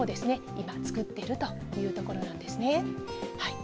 今、つくっているということなんですね。